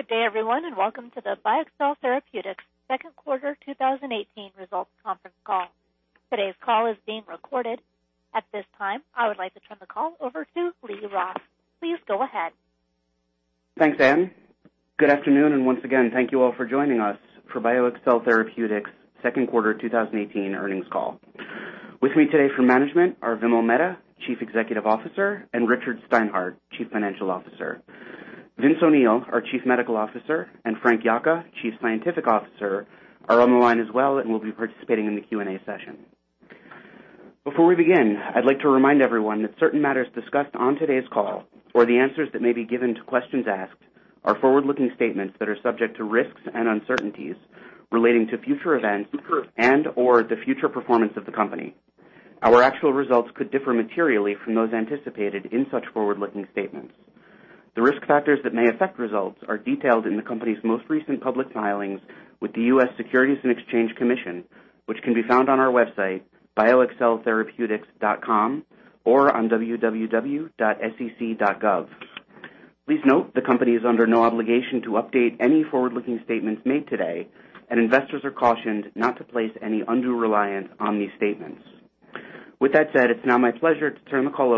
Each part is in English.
Good day, everyone, and welcome to the BioXcel Therapeutics second quarter 2018 results conference call. Today's call is being recorded. At this time, I would like to turn the call over to Lee Ross. Please go ahead. Thanks, Anne. Good afternoon, and once again, thank you all for joining us for BioXcel Therapeutics second quarter 2018 earnings call. With me today for management are Vimal Mehta, Chief Executive Officer, and Richard Steinhart, Chief Financial Officer. Vince O'Neill, our Chief Medical Officer, and Frank Yocca, Chief Scientific Officer, are on the line as well and will be participating in the Q&A session. Before we begin, I'd like to remind everyone that certain matters discussed on today's call, or the answers that may be given to questions asked, are forward-looking statements that are subject to risks and uncertainties relating to future events and/or the future performance of the company. Our actual results could differ materially from those anticipated in such forward-looking statements. The risk factors that may affect results are detailed in the company's most recent public filings with the U.S. Securities and Exchange Commission, which can be found on our website, bioxceltherapeutics.com or on www.sec.gov. Please note, the company is under no obligation to update any forward-looking statements made today, and investors are cautioned not to place any undue reliance on these statements. With that said, it's now my pleasure to turn the call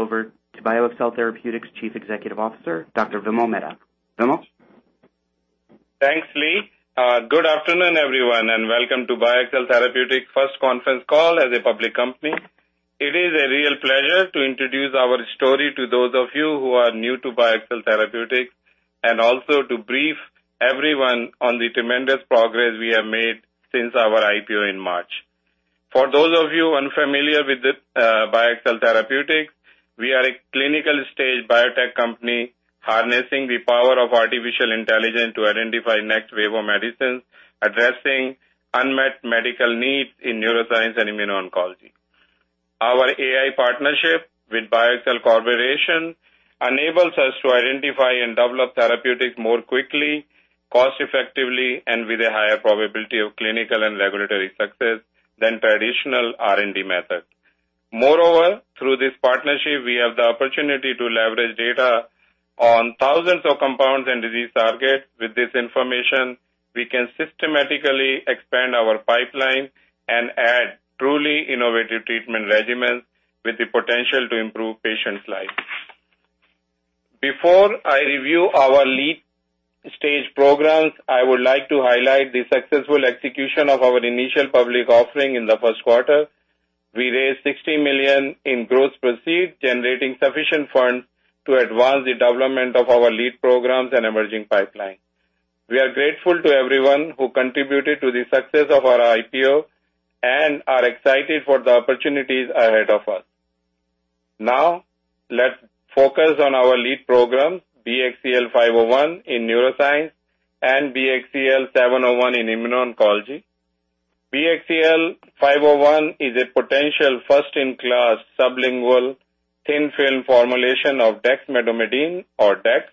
over to BioXcel Therapeutics Chief Executive Officer, Dr. Vimal Mehta. Vimal? Thanks, Lee. Good afternoon, everyone, and welcome to BioXcel Therapeutics' first conference call as a public company. It is a real pleasure to introduce our story to those of you who are new to BioXcel Therapeutics and also to brief everyone on the tremendous progress we have made since our IPO in March. For those of you unfamiliar with BioXcel Therapeutics, we are a clinical-stage biotech company harnessing the power of artificial intelligence to identify next wave of medicines, addressing unmet medical needs in neuroscience and immuno-oncology. Our AI partnership with BioXcel Corporation enables us to identify and develop therapeutics more quickly, cost effectively, and with a higher probability of clinical and regulatory success than traditional R&D methods. Through this partnership, we have the opportunity to leverage data on thousands of compounds and disease targets. With this information, we can systematically expand our pipeline and add truly innovative treatment regimens with the potential to improve patients' lives. Before I review our lead stage programs, I would like to highlight the successful execution of our initial public offering in the first quarter. We raised $60 million in gross proceeds, generating sufficient funds to advance the development of our lead programs and emerging pipeline. We are grateful to everyone who contributed to the success of our IPO and are excited for the opportunities ahead of us. Now, let's focus on our lead programs, BXCL501 in neuroscience and BXCL701 in immuno-oncology. BXCL501 is a potential first-in-class sublingual thin film formulation of dexmedetomidine, or dex,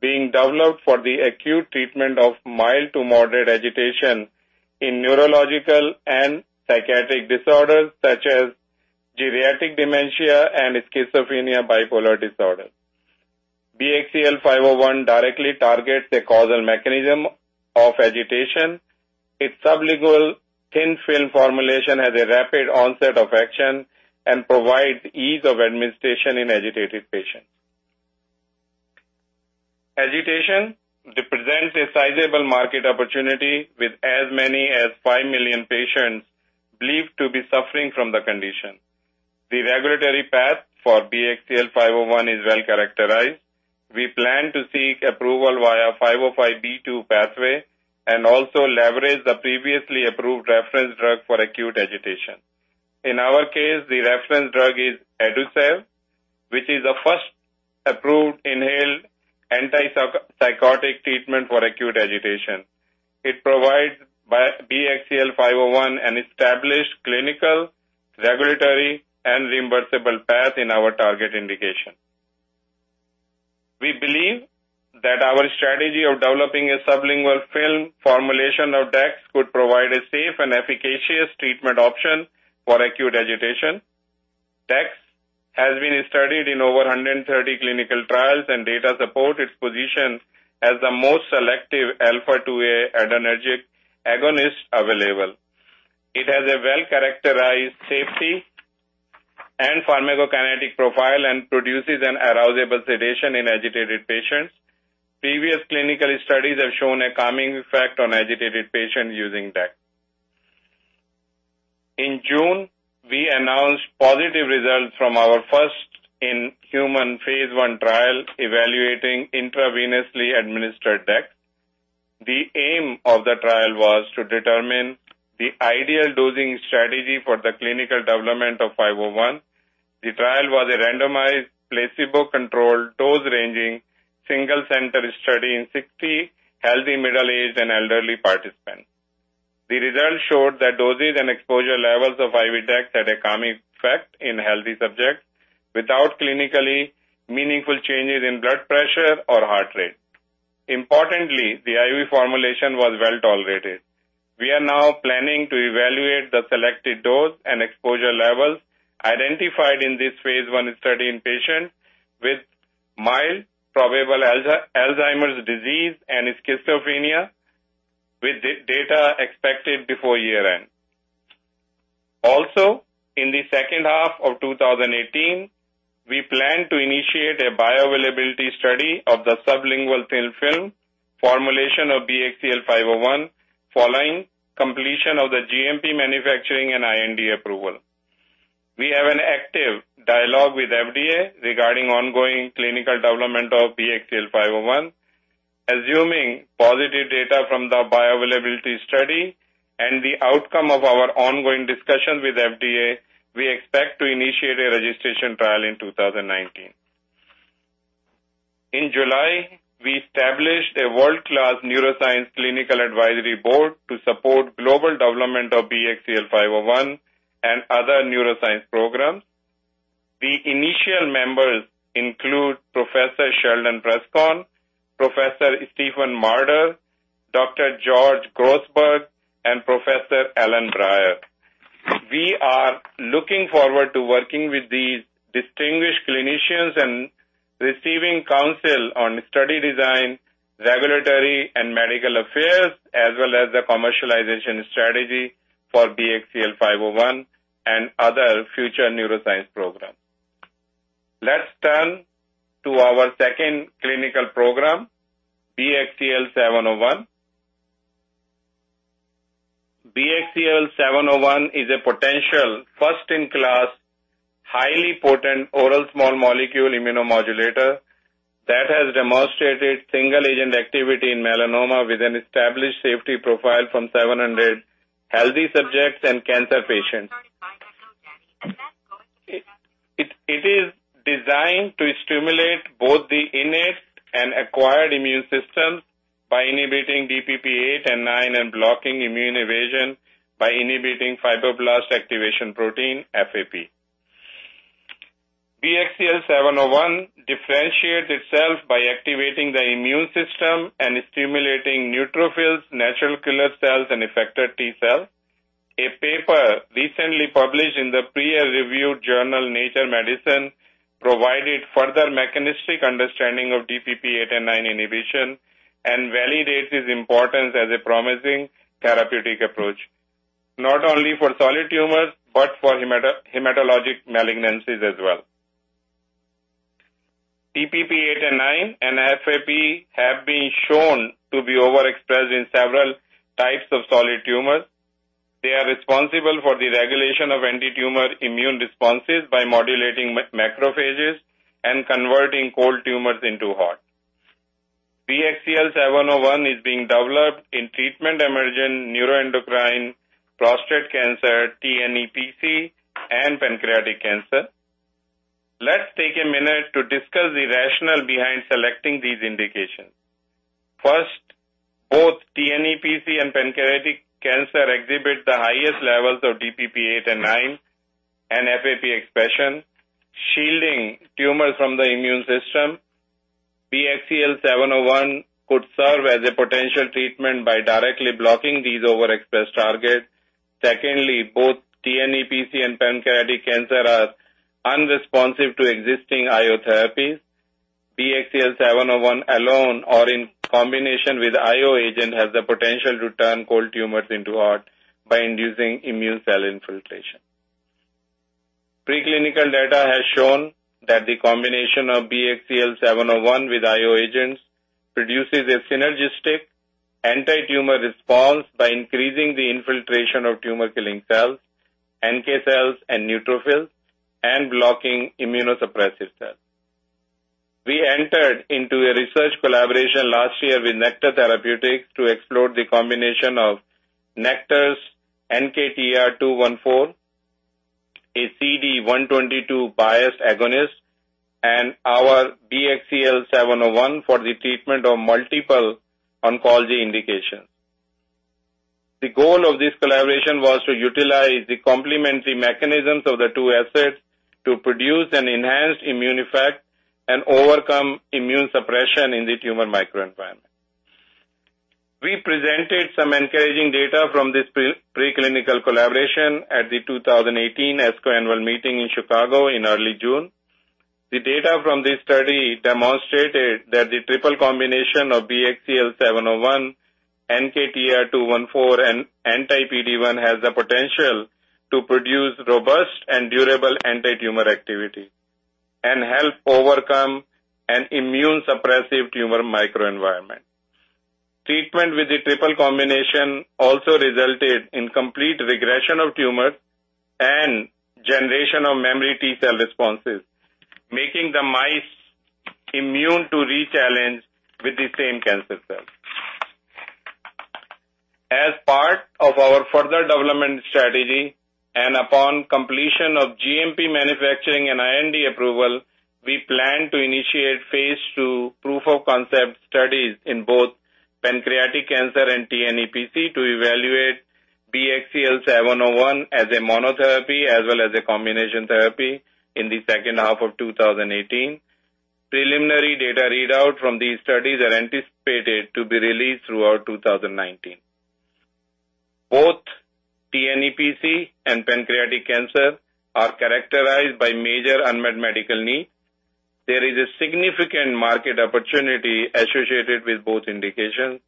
being developed for the acute treatment of mild to moderate agitation in neurological and psychiatric disorders such as geriatric dementia and schizophrenia, bipolar disorder. BXCL501 directly targets a causal mechanism of agitation. Its sublingual thin film formulation has a rapid onset of action and provides ease of administration in agitated patients. Agitation represents a sizable market opportunity with as many as 5 million patients believed to be suffering from the condition. The regulatory path for BXCL501 is well-characterized. We plan to seek approval via 505(b)(2) pathway and also leverage the previously approved reference drug for acute agitation. In our case, the reference drug is Adasuve, which is the first approved inhaled anti-psychotic treatment for acute agitation. It provides BXCL501 an established clinical, regulatory, and reimbursable path in our target indication. We believe that our strategy of developing a sublingual film formulation of dex could provide a safe and efficacious treatment option for acute agitation. dex has been studied in over 130 clinical trials, and data support its position as the most selective alpha-2A adrenergic agonist available. It has a well-characterized safety and pharmacokinetic profile and produces an arousable sedation in agitated patients. Previous clinical studies have shown a calming effect on agitated patients using dex. In June, we announced positive results from our first-in-human phase I trial evaluating intravenously administered dex. The aim of the trial was to determine the ideal dosing strategy for the clinical development of 501. The trial was a randomized, placebo-controlled, dose-ranging, single center study in 60 healthy middle-aged and elderly participants. The results showed that doses and exposure levels of IV dex had a calming effect in healthy subjects without clinically meaningful changes in blood pressure or heart rate. Importantly, the IV formulation was well-tolerated. We are now planning to evaluate the selected dose and exposure levels identified in this phase I study in patients with mild probable Alzheimer's disease and schizophrenia, with data expected before year-end. In the second half of 2018, we plan to initiate a bioavailability study of the sublingual thin film formulation of BXCL501 following completion of the GMP manufacturing and IND approval. We have an active dialogue with FDA regarding ongoing clinical development of BXCL501. Assuming positive data from the bioavailability study and the outcome of our ongoing discussions with FDA, we expect to initiate a registration trial in 2019. In July, we established a world-class neuroscience clinical advisory board to support global development of BXCL501 and other neuroscience programs. The initial members include Professor Sheldon Preskorn, Professor Stephen Marder, Dr. George Grossberg, and Professor Alan Breier. We are looking forward to working with these distinguished clinicians and receiving counsel on study design, regulatory and medical affairs, as well as the commercialization strategy for BXCL501 and other future neuroscience programs. Let's turn to our second clinical program, BXCL701. BXCL701 is a potential first-in-class, highly potent oral small molecule immunomodulator that has demonstrated single agent activity in melanoma with an established safety profile from 700 healthy subjects and cancer patients. It is designed to stimulate both the innate and acquired immune system by inhibiting DPP-8 and -9 and blocking immune evasion by inhibiting fibroblast activation protein, FAP. BXCL701 differentiates itself by activating the immune system and stimulating neutrophils, natural killer cells, and effector T cells. A paper recently published in the peer-reviewed journal Nature Medicine provided further mechanistic understanding of DPP-8 and -9 inhibition and validates its importance as a promising therapeutic approach, not only for solid tumors, but for hematologic malignancies as well. DPP-8 and -9 and FAP have been shown to be overexpressed in several types of solid tumors. They are responsible for the regulation of anti-tumor immune responses by modulating macrophages and converting cold tumors into hot. BXCL701 is being developed in treatment-emergent neuroendocrine prostate cancer, TNEPC, and pancreatic cancer. Let's take a minute to discuss the rationale behind selecting these indications. First, both TNEPC and pancreatic cancer exhibit the highest levels of DPP-8 and -9 and FAP expression, shielding tumors from the immune system. BXCL701 could serve as a potential treatment by directly blocking these overexpressed targets. Secondly, both TNEPC and pancreatic cancer are unresponsive to existing IO therapies. BXCL701 alone or in combination with IO agent has the potential to turn cold tumors into hot by inducing immune cell infiltration. Preclinical data has shown that the combination of BXCL701 with IO agents produces a synergistic anti-tumor response by increasing the infiltration of tumor-killing cells, NK cells, and neutrophils, and blocking immunosuppressive cells. We entered into a research collaboration last year with Nektar Therapeutics to explore the combination of Nektar's NKTR-214, a CD122 bias agonist, and our BXCL701 for the treatment of multiple oncology indications. The goal of this collaboration was to utilize the complementary mechanisms of the two assets to produce an enhanced immune effect and overcome immune suppression in the tumor microenvironment. We presented some encouraging data from this preclinical collaboration at the 2018 ASCO Annual Meeting in Chicago in early June. The data from this study demonstrated that the triple combination of BXCL701, NKTR-214, and anti-PD-1 has the potential to produce robust and durable anti-tumor activity and help overcome an immune suppressive tumor microenvironment. Treatment with the triple combination also resulted in complete regression of tumors and generation of memory T cell responses, making the mice immune to re-challenge with the same cancer cells. As part of our further development strategy, and upon completion of GMP manufacturing and IND approval, we plan to initiate phase II proof-of-concept studies in both pancreatic cancer and TNEPC to evaluate BXCL701 as a monotherapy as well as a combination therapy in the second half of 2018. Preliminary data readout from these studies are anticipated to be released throughout 2019. Both TNEPC and pancreatic cancer are characterized by major unmet medical needs. There is a significant market opportunity associated with both indications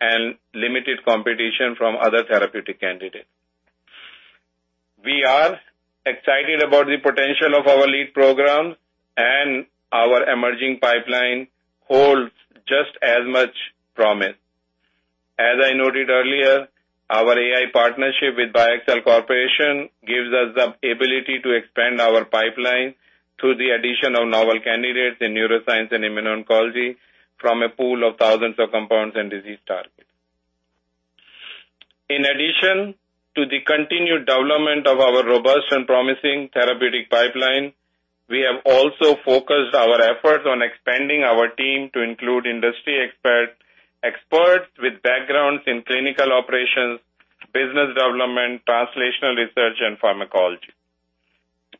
and limited competition from other therapeutic candidates. We are excited about the potential of our lead program, and our emerging pipeline holds just as much promise. As I noted earlier, our AI partnership with BioXcel Corporation gives us the ability to expand our pipeline through the addition of novel candidates in neuroscience and immuno-oncology from a pool of thousands of compounds and disease targets. In addition to the continued development of our robust and promising therapeutic pipeline, we have also focused our efforts on expanding our team to include industry experts with backgrounds in clinical operations, business development, translational research, and pharmacology.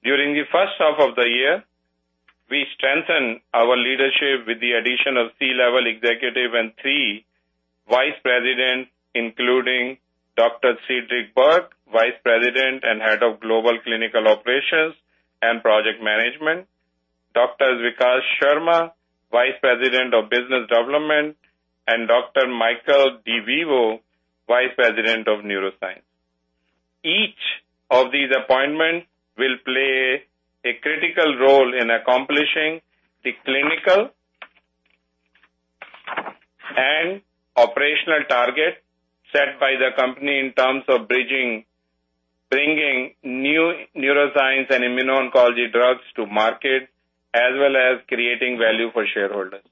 During the first half of the year, we strengthened our leadership with the addition of C-level executive and three vice presidents, including Dr. Cedric Burke, Vice President and Head of Global Clinical Operations and Project Management, Dr. Vikas Sharma, Vice President of Business Development, and Dr. Michael De Vivo, Vice President of Neuroscience. Each of these appointments will play a critical role in accomplishing the clinical and operational targets set by the company in terms of bringing new neuroscience and immuno-oncology drugs to market, as well as creating value for shareholders.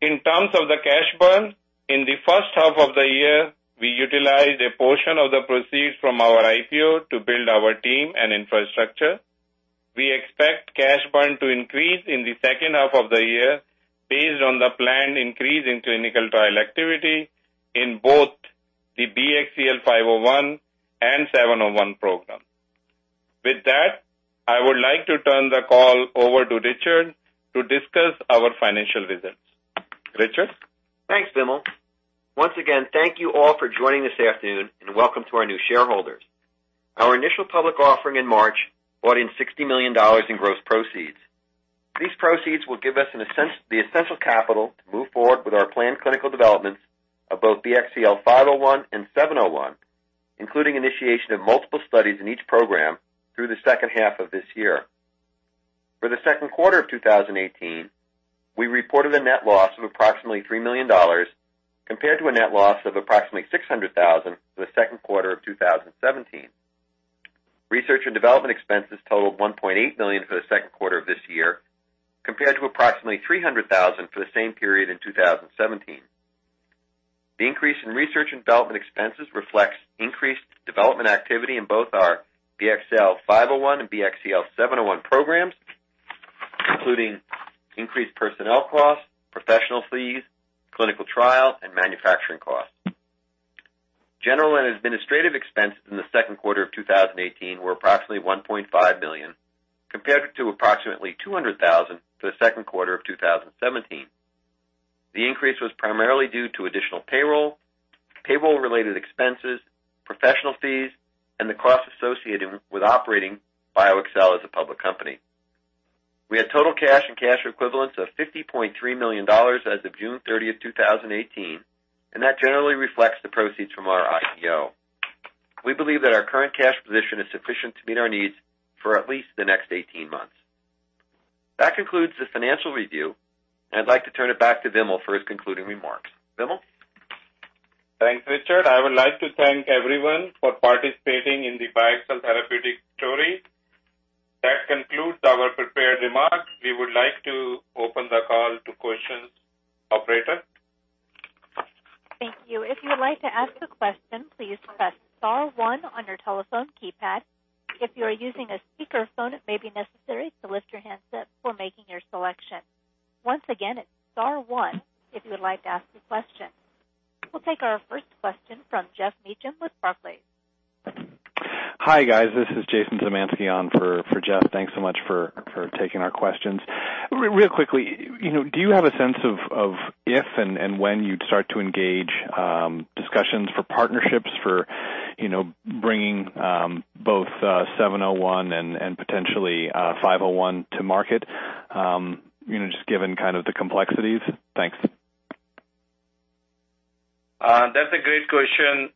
In terms of the cash burn, in the first half of the year, we utilized a portion of the proceeds from our IPO to build our team and infrastructure. We expect cash burn to increase in the second half of the year based on the planned increase in clinical trial activity in both the BXCL501 and 701 program. With that, I would like to turn the call over to Richard to discuss our financial results. Richard? Thanks, Vimal. Once again, thank you all for joining this afternoon and welcome to our new shareholders. Our initial public offering in March brought in $60 million in gross proceeds. These proceeds will give us the essential capital to move forward with our planned clinical developments of both BXCL501 and 701, including initiation of multiple studies in each program through the second half of this year. For the second quarter of 2018, we reported a net loss of approximately $3 million, compared to a net loss of approximately $600,000 for the second quarter of 2017. Research and development expenses totaled $1.8 million for the second quarter of this year, compared to approximately $300,000 for the same period in 2017. The increase in research and development expenses reflects increased development activity in both our BXCL501 and BXCL701 programs, including increased personnel costs, professional fees, clinical trial, and manufacturing costs. General and administrative expenses in the second quarter of 2018 were approximately $1.5 million, compared to approximately $200,000 for the second quarter of 2017. The increase was primarily due to additional payroll-related expenses, professional fees, and the costs associated with operating BioXcel as a public company. We had total cash and cash equivalents of $50.3 million as of June 30th, 2018, and that generally reflects the proceeds from our IPO. We believe that our current cash position is sufficient to meet our needs for at least the next 18 months. That concludes the financial review, and I'd like to turn it back to Vimal for his concluding remarks. Vimal? Thanks, Richard. I would like to thank everyone for participating in the BioXcel Therapeutics story. That concludes our prepared remarks. We would like to open the call to questions. Operator? Thank you. If you would like to ask a question, please press star one on your telephone keypad. If you are using a speakerphone, it may be necessary to lift your handset before making your selection. Once again, it's star one if you would like to ask a question. We'll take our first question from Geoff Meacham with Barclays. Hi, guys. This is Jason Zemansky on for Geoff. Thanks so much for taking our questions. Real quickly, do you have a sense of if and when you'd start to engage discussions for partnerships for bringing both 701 and potentially 501 to market, just given kind of the complexities? Thanks. That's a great question.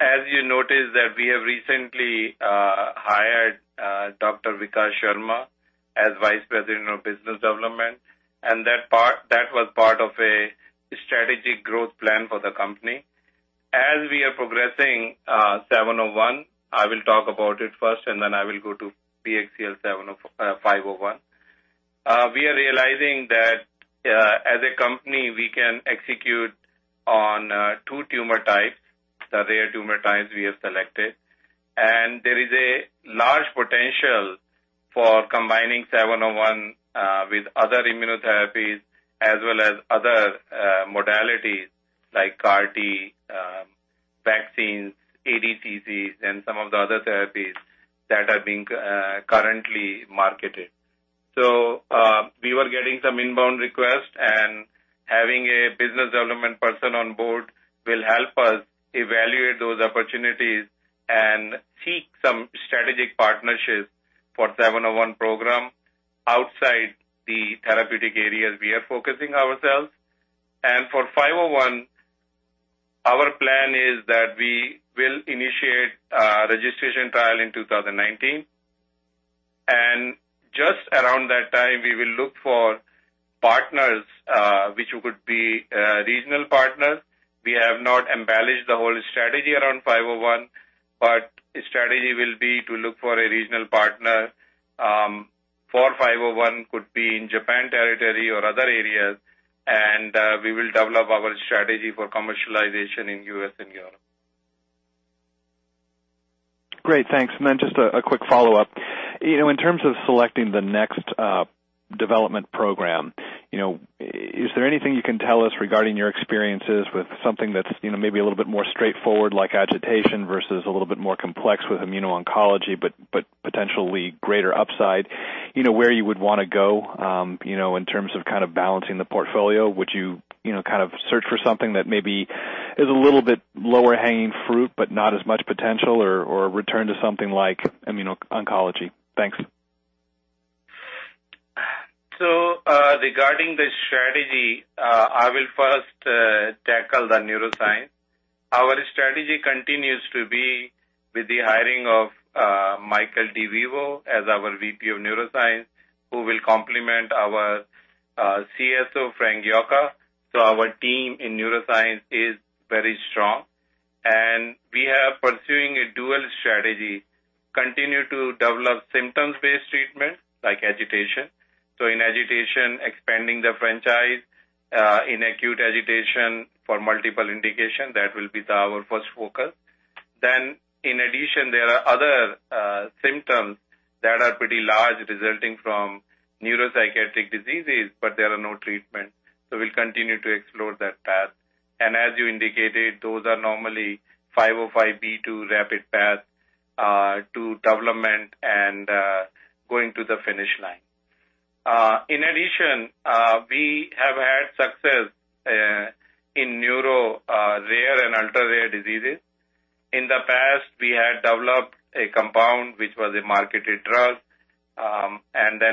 As you noticed, we have recently hired Vikas Sharma as Vice President of Business Development, and that was part of a strategic growth plan for the company. As we are progressing 701, I will talk about it first, and then I will go to BXCL501. We are realizing that as a company, we can execute on two tumor types, the rare tumor types we have selected, and there is a large potential for combining 701 with other immunotherapies as well as other modalities like CAR T, vaccines, ADCs, and some of the other therapies that are being currently marketed. We were getting some inbound requests, and having a business development person on board will help us evaluate those opportunities and seek some strategic partnerships for 701 program outside the therapeutic areas we are focusing ourselves. For 501, our plan is that we will initiate a registration trial in 2019. Just around that time, we will look for partners, which could be regional partners. We have not embellished the whole strategy around 501, but strategy will be to look for a regional partner for 501, could be in Japan territory or other areas, and we will develop our strategy for commercialization in U.S. and Europe. Great. Thanks. Just a quick follow-up. In terms of selecting the next development program, is there anything you can tell us regarding your experiences with something that's maybe a little bit more straightforward like agitation versus a little bit more complex with immuno-oncology, but potentially greater upside, where you would want to go, in terms of balancing the portfolio? Would you search for something that maybe is a little bit lower hanging fruit but not as much potential or return to something like immuno-oncology? Thanks. Regarding the strategy, I will first tackle the neuroscience. Our strategy continues to be with the hiring of Michael De Vivo as our VP of Neuroscience, who will complement our CSO, Frank Yocca. Our team in neuroscience is very strong. We are pursuing a dual strategy, continue to develop symptoms-based treatment like agitation. In agitation, expanding the franchise, in acute agitation for multiple indication, that will be our first focus. In addition, there are other symptoms that are pretty large resulting from neuropsychiatric diseases, but there are no treatment. We'll continue to explore that path. As you indicated, those are normally 505(b)(2) rapid path to development and going to the finish line. In addition, we have had success in neuro rare and ultra rare diseases. In the past, we had developed a compound which was a marketed drug.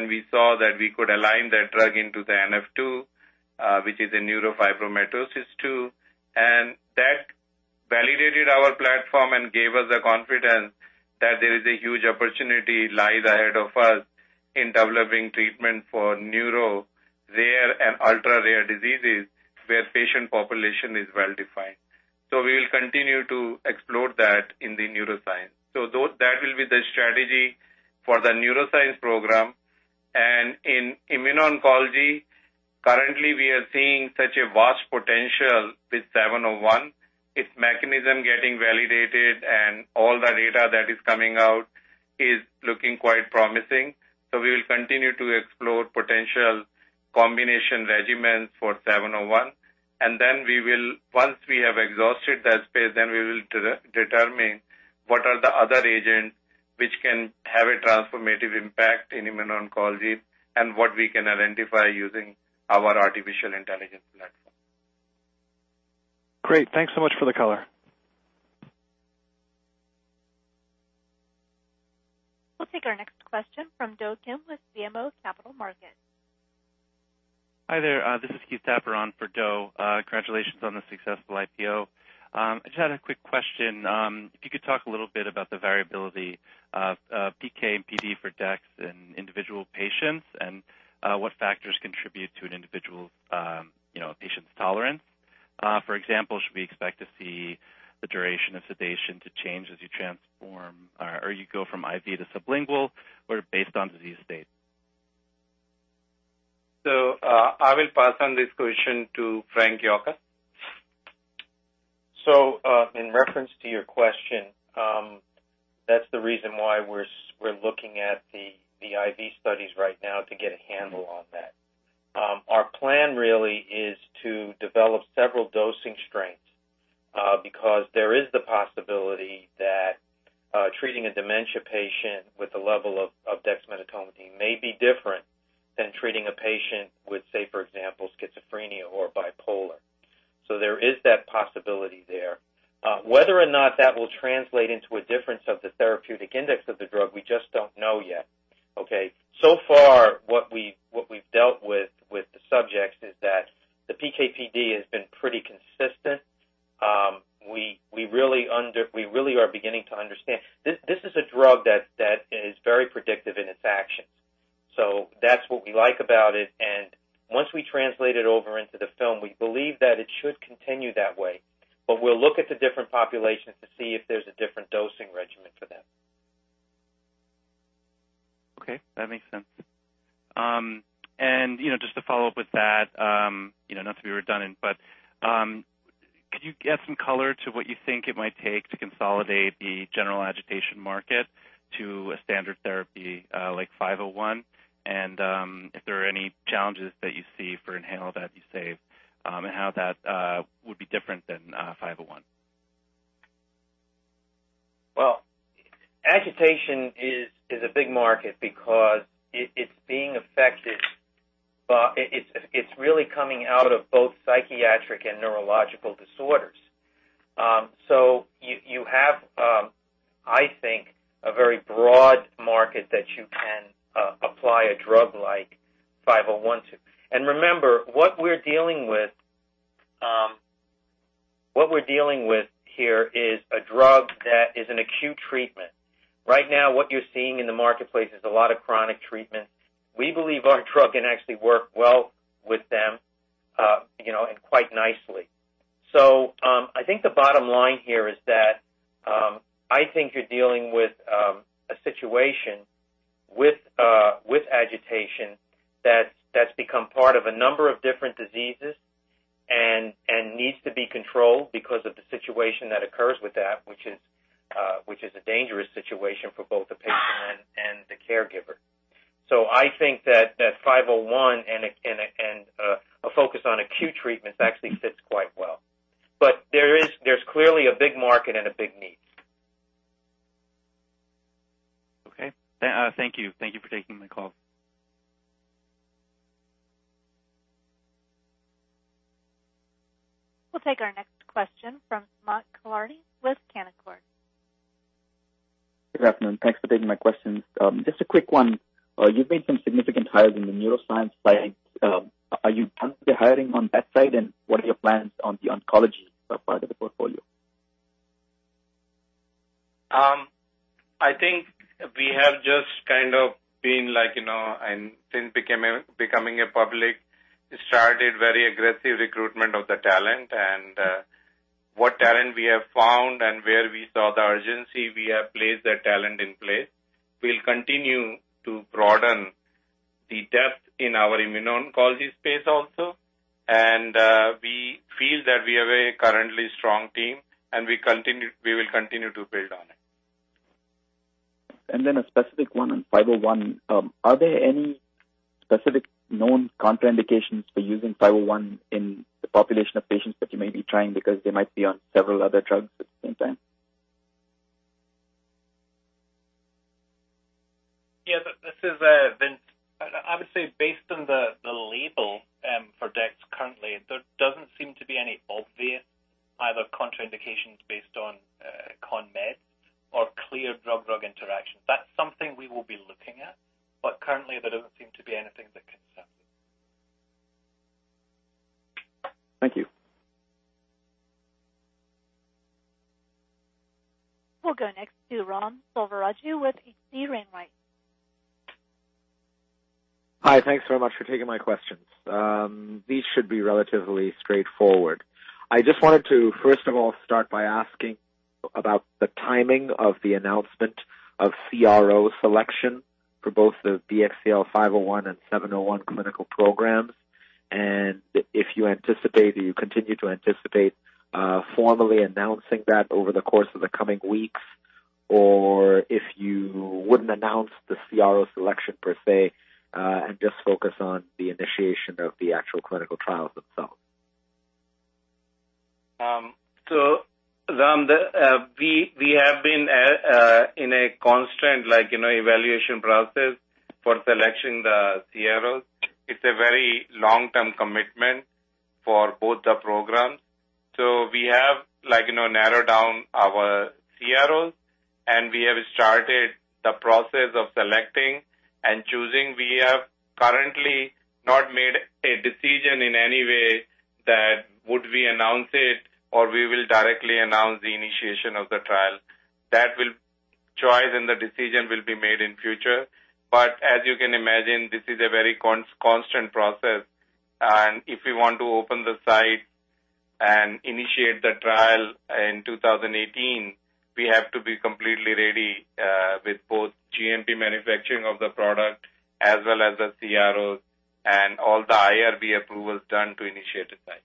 We saw that we could align that drug into the NF2, which is a neurofibromatosis type 2. That validated our platform and gave us the confidence that there is a huge opportunity lies ahead of us in developing treatment for neuro rare and ultra rare diseases where patient population is well-defined. We will continue to explore that in the neuroscience. That will be the strategy for the neuroscience program. In immuno-oncology, currently, we are seeing such a vast potential with 701. Its mechanism getting validated and all the data that is coming out is looking quite promising. We will continue to explore potential combination regimens for 701. Once we have exhausted that space, we will determine what are the other agents which can have a transformative impact in immuno-oncology and what we can identify using our artificial intelligence platform. Great. Thanks so much for the color. We'll take our next question from Do Kim with BMO Capital Markets. Hi there. This is Keith Taberon for Do. Congratulations on the successful IPO. I just had a quick question. If you could talk a little bit about the variability of PK and PD for Dex in individual patients and what factors contribute to an individual patient's tolerance. For example, should we expect to see the duration of sedation to change as you transform, or you go from IV to sublingual, or based on disease state? I will pass on this question to Frank Yocca. In reference to your question, that's the reason why we're looking at the IV studies right now to get a handle on that. Our plan really is to develop several dosing strengths, because there is the possibility that treating a dementia patient with a level of dexmedetomidine may be different than treating a patient with, say, for example, schizophrenia or bipolar. There is that possibility there. Whether or not that will translate into a difference of the therapeutic index of the drug, we just don't know yet. Okay. So far, what we've dealt with the subjects is that the PK/PD has been pretty consistent. We really are beginning to understand. This is a drug that is very predictive in its actions. That's what we like about it. Once we translate it over into the film, we believe that it should continue that way. We'll look at the different populations to see if there's a different dosing regimen for them. Okay. That makes sense. Just to follow up with that, not to be redundant, but could you add some color to what you think it might take to consolidate the general agitation market to a standard therapy like 501? If there are any challenges that you see for inhaled Adasuve, and how that would be different than 501? Well, agitation is a big market because it's really coming out of both psychiatric and neurological disorders. You have, I think, a very broad market that you can apply a drug like 501 to. Remember, what we're dealing with here is a drug that is an acute treatment. Right now, what you're seeing in the marketplace is a lot of chronic treatments. We believe our drug can actually work well with them, and quite nicely. I think the bottom line here is that, I think you're dealing with a situation with agitation that's become part of a number of different diseases, and needs to be controlled because of the situation that occurs with that, which is a dangerous situation for both the patient and the caregiver. I think that 501 and a focus on acute treatments actually fits quite well. There's clearly a big market and a big need. Okay. Thank you. Thank you for taking my call. We'll take our next question from Sumant Kulkarni with Canaccord. Good afternoon. Thanks for taking my questions. Just a quick one. You've made some significant hires in the neuroscience side. Are you planning to be hiring on that side? What are your plans on the oncology part of the portfolio? I think we have just kind of been like, since becoming a public, started very aggressive recruitment of the talent. What talent we have found and where we saw the urgency, we have placed that talent in place. We'll continue to broaden the depth in our immuno-oncology space also. We feel that we have a currently strong team, and we will continue to build on it. A specific one on 501. Are there any specific known contraindications for using 501 in the population of patients that you may be trying because they might be on several other drugs at the same time? Yeah. This is Vince. I would say based on the label for dex currently, there doesn't seem to be any obvious either contraindications based on conmeds or clear drug-drug interactions. That's something we will be looking at, but currently, there doesn't seem to be anything that concerns us. Thank you. We'll go next to Ram Selvaraju with H.C. Wainwright. Hi. Thanks so much for taking my questions. These should be relatively straightforward. I just wanted to start by asking about the timing of the announcement of CRO selection for both the BXCL501 and 701 clinical programs, and if you anticipate or you continue to anticipate formally announcing that over the course of the coming weeks, or if you wouldn't announce the CRO selection per se, and just focus on the initiation of the actual clinical trials themselves. Ram, we have been in a constant evaluation process for selecting the CROs. It's a very long-term commitment for both the programs. We have narrowed down our CROs, and we have started the process of selecting and choosing. We have currently not made a decision in any way that would we announce it, or we will directly announce the initiation of the trial. That choice and the decision will be made in future. As you can imagine, this is a very constant process, and if we want to open the site and initiate the trial in 2018, we have to be completely ready with both GMP manufacturing of the product as well as the CROs and all the IRB approvals done to initiate a site.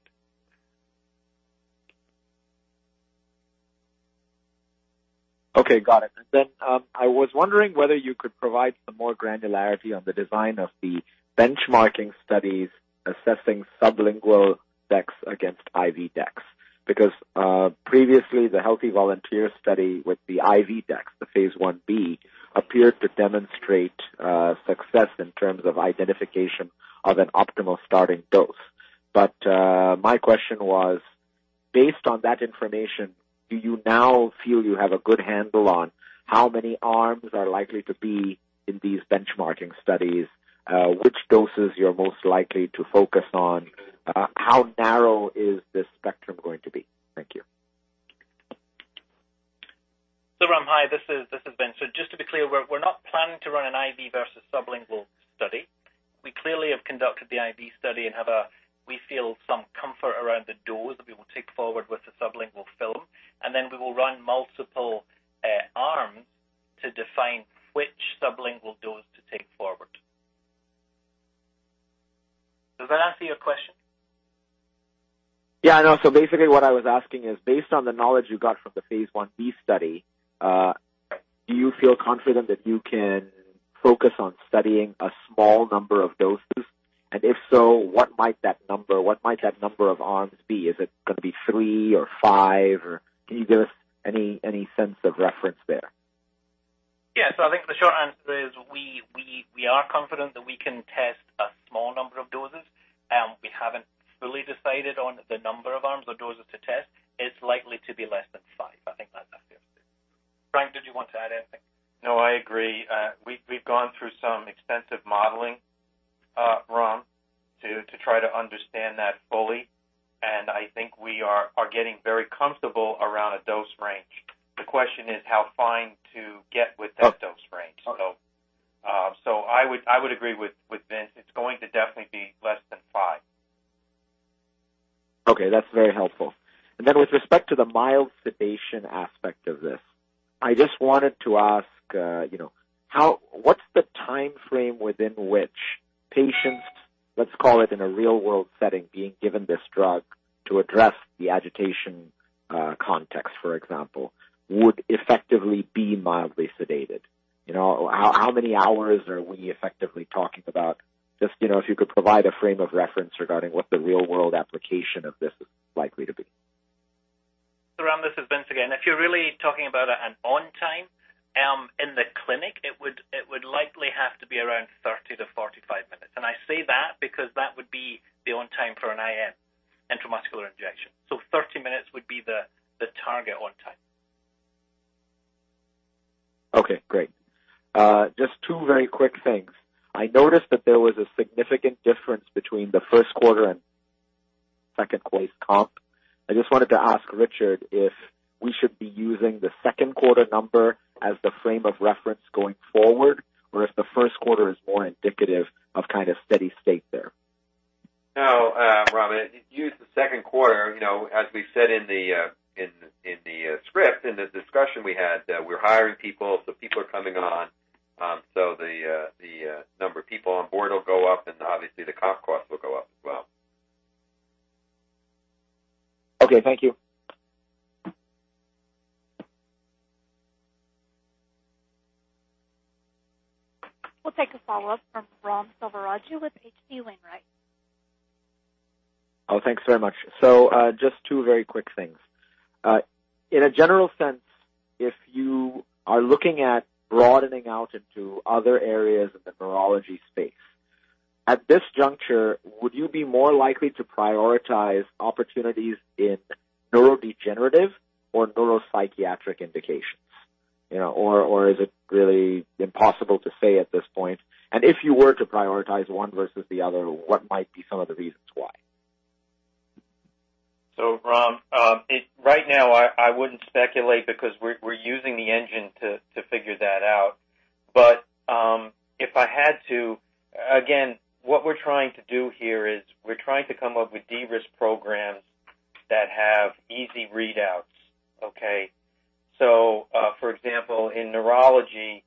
Okay, got it. I was wondering whether you could provide some more granularity on the design of the benchmarking studies assessing sublingual Dex against IV Dex. Previously, the healthy volunteer study with the IV Dex, the phase I-B, appeared to demonstrate success in terms of identification of an optimal starting dose. My question was, based on that information, do you now feel you have a good handle on how many arms are likely to be in these benchmarking studies? Which doses you're most likely to focus on? How narrow is this spectrum going to be? Thank you. Ram, hi. This is Vince. Just to be clear, we're not planning to run an IV versus sublingual study. Really have conducted the phase I-B study and we feel some comfort around the dose that we will take forward with the sublingual film. We will run multiple arms to define which sublingual dose to take forward. Does that answer your question? Yeah, no. Basically what I was asking is, based on the knowledge you got from the phase I-B study, do you feel confident that you can focus on studying a small number of doses? If so, what might that number of arms be? Is it going to be three or five, or can you give us any sense of reference there? Yeah. I think the short answer is we are confident that we can test a small number of doses. We haven't fully decided on the number of arms or doses to test. It's likely to be less than five. I think that answers it. Frank, did you want to add anything? No, I agree. We've gone through some extensive modeling, Ram, to try to understand that fully, and I think we are getting very comfortable around a dose range. The question is how fine to get with that dose range. Okay. I would agree with Vince. It's going to definitely be less than five. Okay, that's very helpful. With respect to the mild sedation aspect of this, I just wanted to ask, what's the timeframe within which patients, let's call it in a real-world setting, being given this drug to address the agitation context, for example, would effectively be mildly sedated? How many hours are we effectively talking about? Just if you could provide a frame of reference regarding what the real-world application of this is likely to be. Ram, this is Vince again. If you're really talking about an on time in the clinic, it would likely have to be around 30 to 45 minutes. I say that because that would be the on time for an IM, intramuscular injection. 30 minutes would be the target on time. Okay, great. Just two very quick things. I noticed that there was a significant difference between the first quarter and second quarter comp. I just wanted to ask Richard if we should be using the second quarter number as the frame of reference going forward, or if the first quarter is more indicative of steady state there. No, Ram. Use the second quarter. As we said in the script, in the discussion we had, we're hiring people. People are coming on. The number of people on board will go up. Obviously the comp cost will go up as well. Okay. Thank you. We'll take a follow-up from Ram Selvaraju with H.C. Wainwright. Thanks very much. Just two very quick things. In a general sense, if you are looking at broadening out into other areas of the neurology space, at this juncture, would you be more likely to prioritize opportunities in neurodegenerative or neuropsychiatric indications? Is it really impossible to say at this point? If you were to prioritize one versus the other, what might be some of the reasons why? Ram, right now, I wouldn't speculate because we're using the engine to figure that out. If I had to, again, what we're trying to do here is we're trying to come up with de-risk programs that have easy readouts. Okay? For example, in neurology,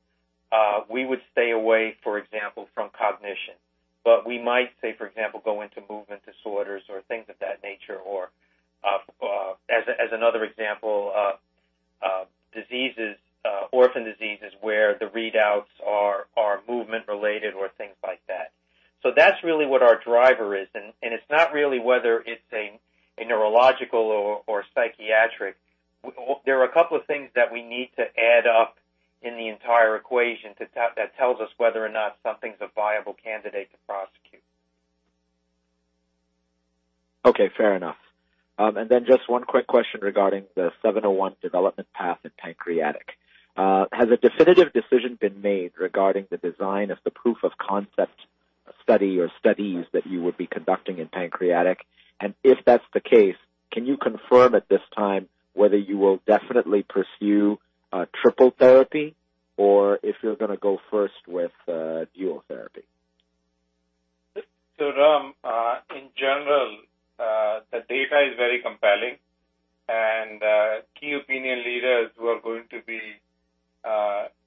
we would stay away, for example, from cognition. We might say, for example, go into movement disorders or things of that nature, or as another example, orphan diseases where the readouts are movement related or things like that. That's really what our driver is, and it's not really whether it's a neurological or psychiatric. There are a couple of things that we need to add up in the entire equation that tells us whether or not something's a viable candidate to prosecute. Okay, fair enough. Just one quick question regarding the 701 development path in pancreatic. Has a definitive decision been made regarding the design of the proof of concept study or studies that you would be conducting in pancreatic? If that's the case, can you confirm at this time whether you will definitely pursue triple therapy or if you're going to go first with dual therapy? Ram, in general, the data is very compelling and key opinion leaders who are going to be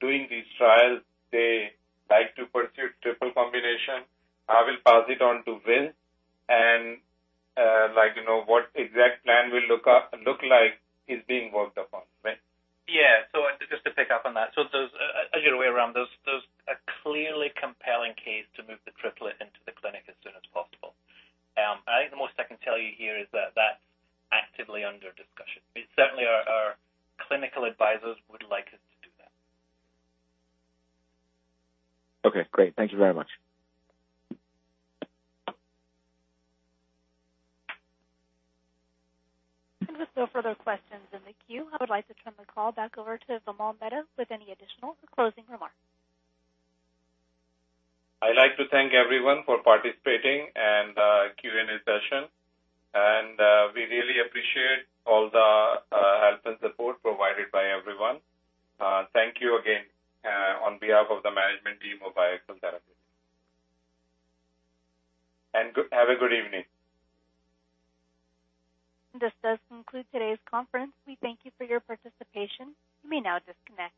doing these trials, they like to pursue triple combination. I will pass it on to Vince. What exact plan will look like is being worked upon. Vince? Just to pick up on that. As your way around, there's a clearly compelling case to move the triplet into the clinic as soon as possible. I think the most I can tell you here is that that's actively under discussion. Certainly our clinical advisors would like us to do that. Okay, great. Thank you very much. With no further questions in the queue, I would like to turn the call back over to Vimal Mehta with any additional or closing remarks. I'd like to thank everyone for participating in the Q&A session. We really appreciate all the help and support provided by everyone. Thank you again on behalf of the management team of BioXcel Therapeutics. Have a good evening. This does conclude today's conference. We thank you for your participation. You may now disconnect.